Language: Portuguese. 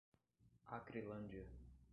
Acrelândia